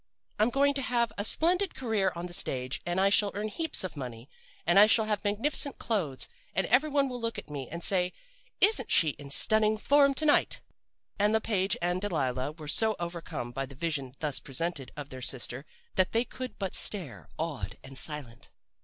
'I'm going to have a splendid career on the stage, and I shall earn heaps of money. And I shall have magnificent clothes, and every one will look at me and say, "Isn't she in stunning form to night!"' "And Le Page and Delilah were so overcome by the vision thus presented of their sister that they could but stare, awed and silent.